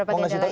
mau kasih tau